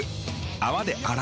泡で洗う。